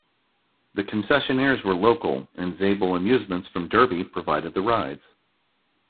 The concessionaires were local, and Zabel Amusements from Derby provided the rides.